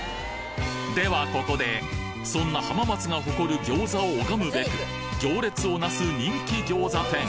ではここでそんな浜松が誇る餃子を拝むべく行列を成す人気餃子店